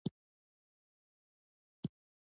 ډيپلومات د هېواد لپاره فرصتونه لټوي.